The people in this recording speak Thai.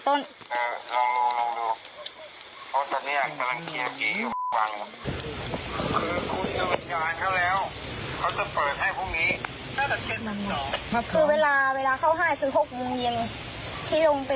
ต้องหกวันที่จะเปิดให้